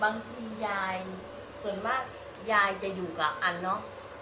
บางทียายศนมาคยายัยอยู่กับอันน้อง